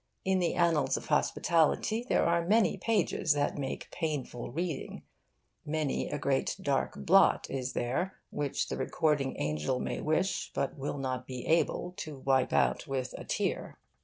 In the annals of hospitality there are many pages that make painful reading; many a great dark blot is there which the Recording Angel may wish, but will not be able, to wipe out with a tear.